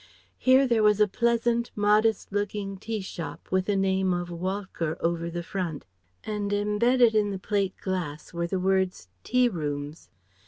Here, there was a pleasant, modest looking tea shop with the name of Walcker over the front, and embedded in the plate glass were the words "Tea Rooms."